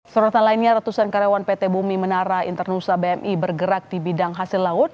sorotan lainnya ratusan karyawan pt bumi menara internusa bmi bergerak di bidang hasil laut